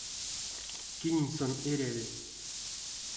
Кинень сон эряви?